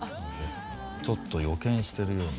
ちょっと予見してるような。